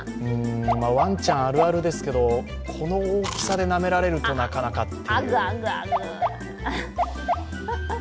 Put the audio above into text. ワンちゃんあるあるですけど、この大きさでなめられるとなかなかっていう。